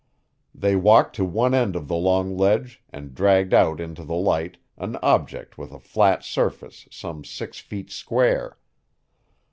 They walked to one end of the long ledge and dragged out into the light an object with a flat surface some six feet square.